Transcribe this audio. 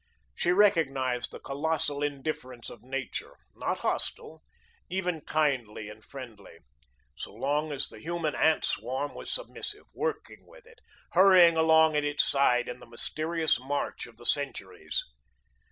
She recognised the colossal indifference of nature, not hostile, even kindly and friendly, so long as the human ant swarm was submissive, working with it, hurrying along at its side in the mysterious march of the centuries.